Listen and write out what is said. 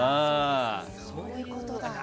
そういうことか。